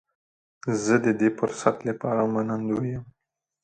زه د دې فرصت لپاره منندوی یم.